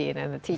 dan guru berkata